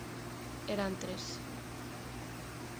Eran tres.